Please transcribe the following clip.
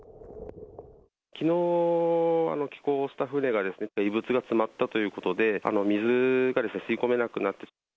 きのう帰港した船が、異物が詰まったということで、水が吸い込めなくなって。